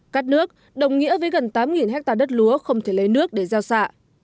cát nước đồng nghĩa với gần tám hectare đất lúa không thể lấy nước để giao xạ